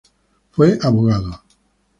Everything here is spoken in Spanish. Fue abogado.